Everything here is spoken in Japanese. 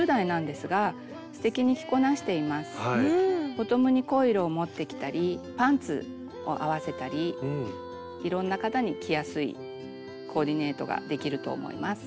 ボトムに濃い色を持ってきたりパンツを合わせたりいろんな方に着やすいコーディネートができると思います。